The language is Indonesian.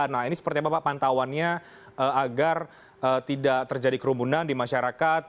nah ini seperti apa pak pantauannya agar tidak terjadi kerumunan di masyarakat